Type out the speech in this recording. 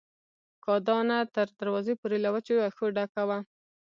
کاه دانه تر دروازې پورې له وچو وښو ډکه وه.